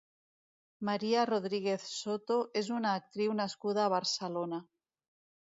Maria Rodríguez Soto és una actriu nascuda a Barcelona.